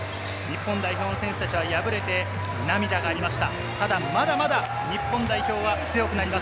日本代表の選手たちは敗れて涙がありました。